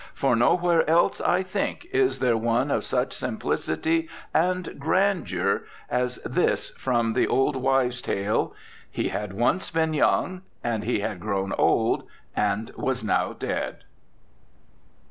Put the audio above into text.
For nowhere else, I think, is there one of such simplicity and grandeur as this from "The Old Wives' Tale": "He had once been young, and he had grown old, and was now dead."